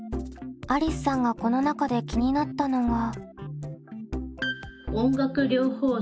ありすさんがこの中で気になったのが。